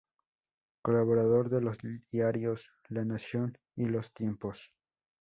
Colaborador de los diarios La Nación y Los Tiempos.